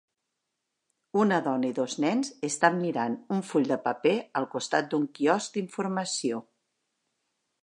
Una dona i dos nens estan mirant un full de paper al costat d'un quiosc d'informació.